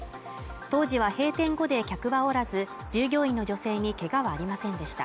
当時は閉店後で客はおらず従業員の女性にけがはありませんでした